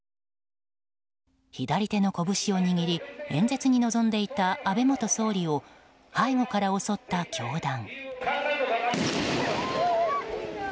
左手の拳を握り演説に臨んでいた安倍元総理を背後から襲った凶弾。